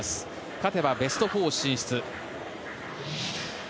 勝てばベスト４進出。